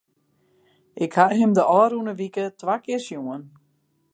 Ik ha him de ôfrûne wike twa kear sjoen.